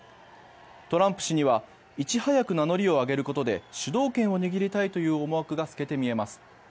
トランプ氏にはいち早く名乗りを上げることで主導権を握りたいという思惑が透けて見えます。